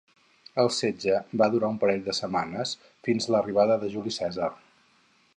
El setge va durar un parell de setmanes, fins a l'arribada de Juli Cèsar.